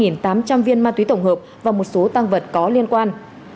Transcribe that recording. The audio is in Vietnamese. vật chứng thu giữ là khoảng hai tám trăm linh viên ma túy tổng hợp và một số tăng vật có liên quan